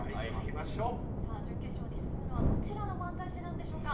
準決勝に進むのはどちらの漫才師でしょうか。